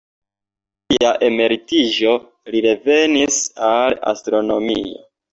Post sia emeritiĝo, li revenis al astronomio.